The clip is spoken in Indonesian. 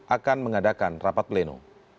akan mengadakan rapat pleno